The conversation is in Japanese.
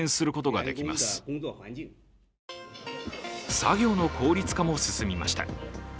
作業の効率化も進みました。